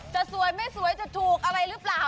จะสวยไม่สวยจะถูกอะไรหรือเปล่า